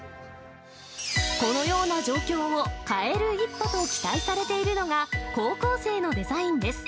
このような状況を変える一歩と期待されているのが、高校生のデザインです。